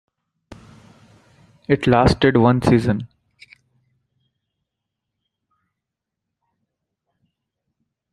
It lasted one season.